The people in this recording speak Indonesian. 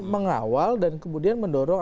mengawal dan kemudian mendorong